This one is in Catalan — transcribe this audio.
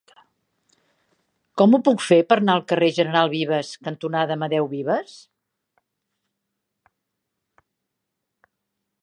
Com ho puc fer per anar al carrer General Vives cantonada Amadeu Vives?